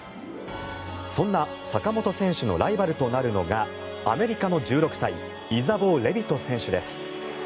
そんな坂本選手のライバルとなるのがアメリカの１６歳イザボー・レビト選手です。